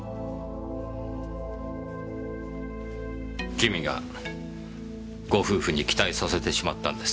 君がご夫婦に期待させてしまったのです。